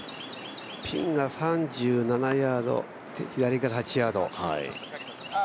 ピンが３７ヤード左から８ヤード。